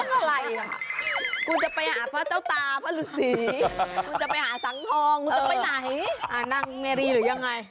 กูจะไปหาสังธองกูจะไปไหน